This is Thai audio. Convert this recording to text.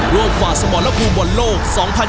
รวบฝ่าสมรพลบนโลก๒๐๒๒